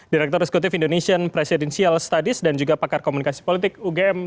direktur eksekutif indonesian presidential studies dan juga pakar komunikasi politik ugm